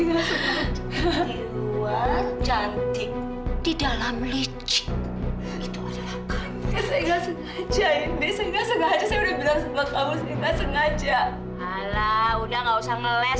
cuma mau balikin handphone dre